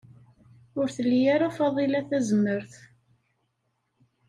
Ur tli ara Faḍila tazmert.